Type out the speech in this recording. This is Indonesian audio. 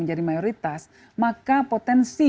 menjadi mayoritas maka potensi